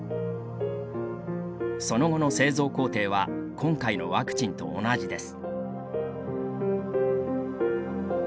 その後の製造工程は今回のワクチンと同じです。